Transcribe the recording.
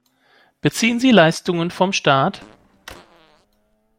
Beziehen Sie Leistungen von Staat?